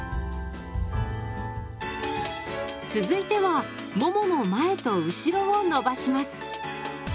続いてはももの前と後ろを伸ばします。